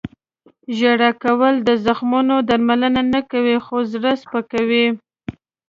• ژړا کول د زخمونو درملنه نه کوي، خو زړه سپکوي.